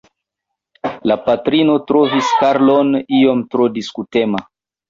La patrino trovis Karlon iom tro diskutema.